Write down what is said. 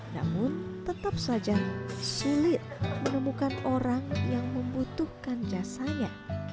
namun tetap saja sulit menemukan orang yang membutuhkan jasanya